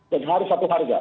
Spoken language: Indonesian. dan harus satu harga